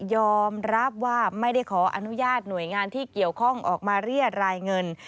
ยอมรับว่าไม่ได้ขออนุญาตหน่วยงานที่เกี่ยวข้องออกมาเรียกรายเงิน